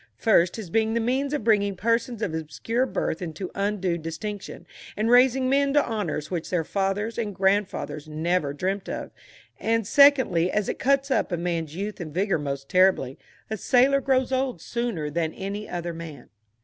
First as being the means of bringing persons of obscure birth into undue distinction, and raising men to honours which their fathers and grandfathers never dreamt of; and, secondly, as it cuts up a man's youth and vigour most terribly; a sailor grows older sooner than any other man.